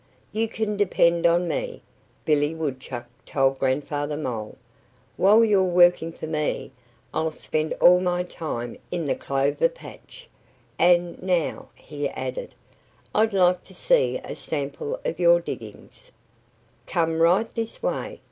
"You can depend on me," Billy Woodchuck told Grandfather Mole. "While you're working for me I'll spend all my time in the clover patch.... And now," he added, "I'd like to see a sample of your digging." "Come right this way!"